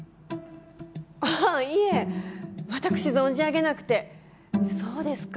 ああいえ私存じ上げなくてそうですか